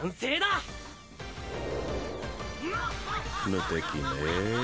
無敵ねぇ。